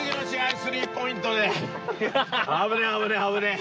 危ねえ危ねえ危ねえ。